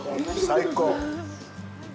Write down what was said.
最高！